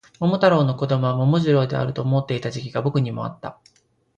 桃太郎の子供は桃次郎であると思っていた時期が僕にもあった